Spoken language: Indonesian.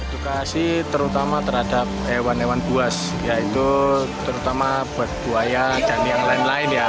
dukasi terutama terhadap hewan hewan buas yaitu terutama buat buaya dan yang lain lain ya